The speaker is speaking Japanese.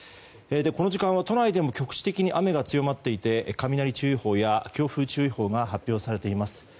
この時間は都内でも局地的に雨が強まっていて雷注意報や強風注意報が発表されています。